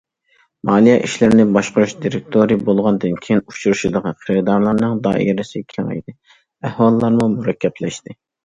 مالىيە ئىشلىرىنى باشقۇرۇش دىرېكتورى بولغاندىن كېيىن، ئۇچرىشىدىغان خېرىدارلارنىڭ دائىرىسى كېڭەيدى، ئەھۋاللارمۇ مۇرەككەپلەشتى.